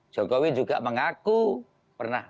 jokowi juga mengaku pernah